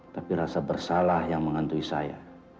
tapi rasa bersalah yang menghantui saya